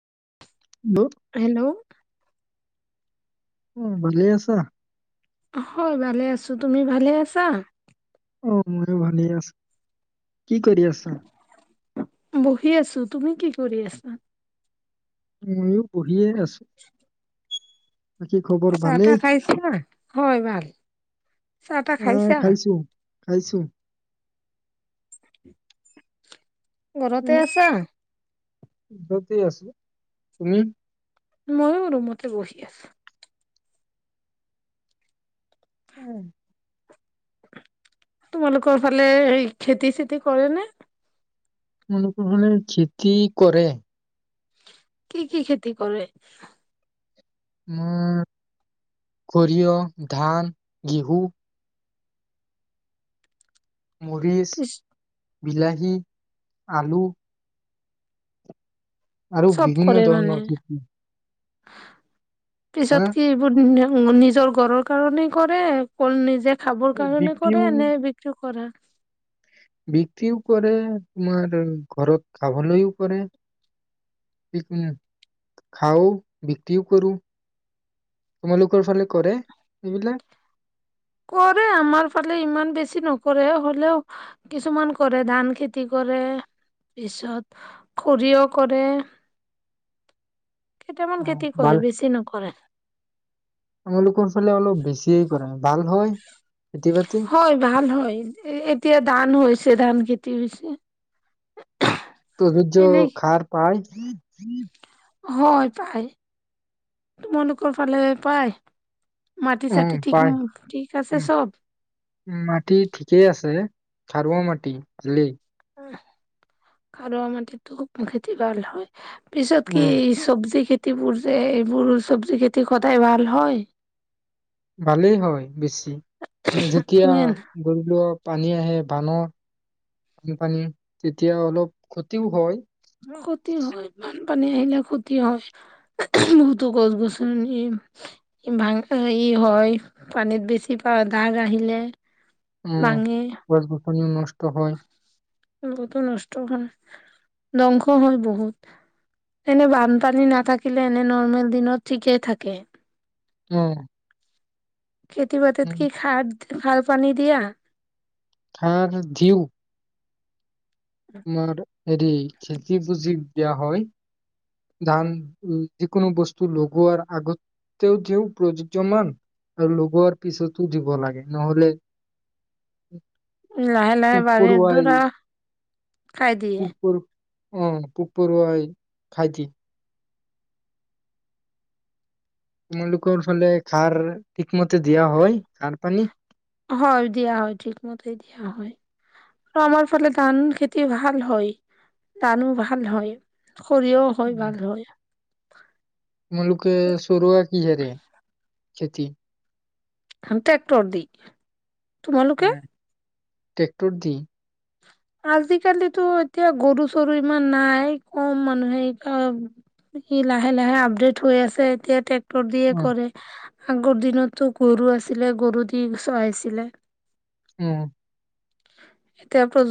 বৌ হেলো উম ভালে আছা অস, ভালে আছোঁ, তুমি ভালে আছা? অ', ময়ো ভালে আছোঁ, কি কৰি আছা? বহি আছোঁ, তুমি কি কৰি আছা? ময়ো [unintelligible] বহিয়ে আছোঁ। চাহ তাহ খাইছা হয় ভাল, চাহ তাহ খাইছা? খাইছোঁ। ঘৰতে আছা? চাওঁতেই আছোঁ তুমি? ময়ো ৰুমতে বহি আছোঁ। উম। তোমালোকৰ ফালে এই খেতি চেটি কৰেনে? [unintelligible] ফালে খেতি কৰে। কি, কি খেতি কৰে? [unintelligible] সৰিয়হ, ধান, ঘেঁহু। মৰিছ। পিছ বিলাহী, আলু। আৰু চব বিভিন্ন কৰে মানে ধৰণৰ খেতি। হা পিছত কি এইবোৰ [unintelligible] নিজৰ ঘৰৰ কাৰণে কৰে [unintelligible] নিজে খাবৰ কাৰণে বিক্ৰীও কৰেনে বিক্ৰী কৰে? বিক্ৰীয়ো কৰে, তোমাৰ ঘৰত খাবলেয়ো কৰে, [unintelligible] খাওঁ, বিক্ৰীয়ো কৰোঁ, তোমালোকৰ ফালে কৰে এইবিলাক? কৰে আমাৰ ফালে ইমান বেছি নকৰে হলেওঁ কিছুমান কৰে ধান খেতি কৰে, পিছত সৰিয়হ কৰে। কেইটামান অ খেতি ভাল কৰে বেছি নকৰে। আমালোকৰ ফালে অলপ বেছিয়ে কৰে ভাল হয় খেতি বাতি হয়, ভাল হয়, এতিয়া ধান হৈ চে, ধান খেতিৰ হৈছে। প্ৰযোজ্য এনেই খাৰ পাই। হয়, পায়। তোমালোকৰ ফালে পায়? উম, পায় উম, চব উম, মাটি ঠিকেই আছে। সাৰুৱা মাটি ভালেই। খাৰুৱা মাটিত খুব খেটি ভাল হয়। পিছত কি উম ছবজী খে [unintelligible] যে, এইবোৰ চবজি খেতি সদায় ভাল হয়। ভালেই হয়, বেচ [unintelligible] যেতিয়া নে? [unintelligible] পানী আহে বানত বানপানী তেতিয়া অলপ ক্ষতিও হয়। ক্ষতি হয় বানপানী আহিলে ক্ষতি হয় বহুতো গছ-গছনি ভা হয় পানীত বেছিকে দাগ আহিলে। উম, [unintelligible] ভাঙে উম, নষ্ট হয়। এইবোৰতো নষ্ট হ'ল, ধ্বংস হ'ল বহুত, এনে বানপানী নাথাকিলে এনে নৰ্মেল দিনত ঠিকেই থাকে। অ'। কেতিয়াবা [unintelligible] সাৰ-পানী দিয়া। সাৰ দিও। মাৰ হেৰি, খেতি বুজি দিয়া হয়। ধান, যিকোনো বস্তু লগোৱাৰ আগতেও দিও প্ৰযুজ্যমান আৰু লগোৱাৰ পাছতো দিব লাগে নহলে লাহে পোক লাহে পৰুৱাই [unintelligible] খাই দিয়ে। উম, পোক-পৰুৱাই খাই দিয়ে। তোমালোকৰ ফালে খাৰ ঠিকমতে দিয়া হয়, খাৰ-পানী? হয়, দিয়া হয়, থিকেমতেই দিয়া হয়। আৰু আমাৰ ফালে ধান খেতি ভাল হয়, ধানো ভাল হয়। সৰিয়হ হয় ভাল হয়। [unintelligible] তোমালোকে চৰোৱা কিহেৰে? খেতি। হাম ট্ৰেক্টৰ দি। তোমালোকে? ট্ৰেক্টৰ দি। আজিকালিতো এতিয়া গৰু-চৰো ইমান নাই, কম মানুহে এই, আম, কি লাগে লাহে আপডেট হৈ আছে এতিয়া ট্ৰেক [unintelligible] অ কৰে। আগৰ দিনততো গৰু আছিলে, গৰু দি চৰাইছিলে। উম। [unintelligible]